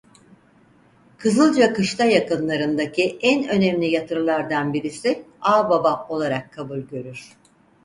Kızılcakışla yakınlarındaki en önemli yatırlardan birisi Ağbaba olarak kabul görür.